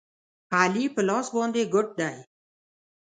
علي په لاس باندې ګوډ دی.